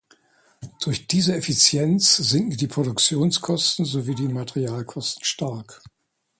Durch diese Effizienz sinken die Produktionskosten sowie die Materialkosten stark.